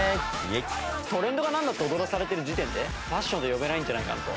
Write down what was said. トレンドがなんだと踊らされてる時点でファッションと呼べないんじゃないかなと。